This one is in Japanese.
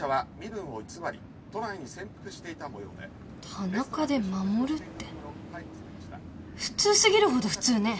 「田中」で「守」って普通過ぎるほど普通ね。